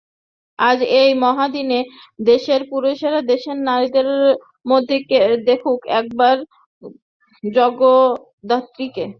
আজ এই মহাদিনে দেশের পুরুষেরা দেশের নারীর মধ্যে দেখুক একবার জগদ্ধাত্রীকে।